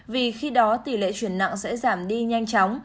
vì khi đó tỷ lệ chuyển nặng sẽ giảm đi nhanh chóng